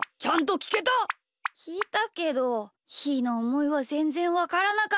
きいたけどひーのおもいはぜんぜんわからなかった。